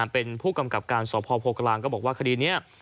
เป็นผู้กำกับการสพโพกลางก็บอกว่าคดีนี้